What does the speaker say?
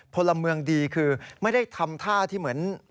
พลเมืองดีคือไม่ได้ทำท่าที่เหมือน